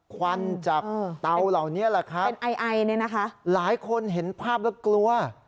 ควันจากเตาเหล่านี้แหละครับหลายคนเห็นภาพแล้วกลัวเป็นไอเนี่ยนะครับ